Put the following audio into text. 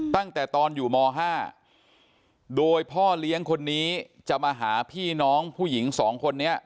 ตั้งแต่ตอนอยู่ม๕โดยพ่อเลี้ยงคนนี้จะมาหาพี่น้องผู้หญิงสองคนนี้